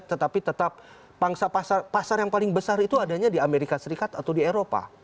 tetapi tetap pangsa pasar yang paling besar itu adanya di amerika serikat atau di eropa